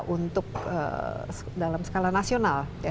untuk dalam skala nasional